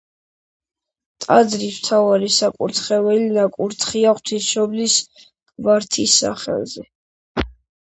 ტაძრის მთავარი საკურთხეველი ნაკურთხია ღვთისმშობლის კვართის სახელზე.